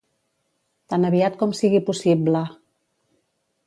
Tan aviat com sigui possible.